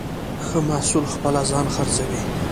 ښه محصول خپله ځان خرڅوي.